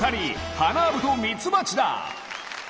ハナアブとミツバチだ！